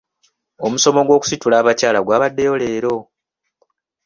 Omusomo gw'okusitula abakyala gwabaddeyo leero.